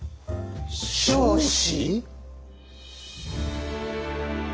彰子？